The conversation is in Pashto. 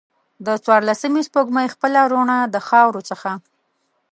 د څوارلسمې سپوږمۍ خپله روڼا د خاورو څخه